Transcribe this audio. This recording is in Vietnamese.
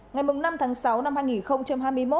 ngày năm tháng sáu năm hai nghìn hai mươi một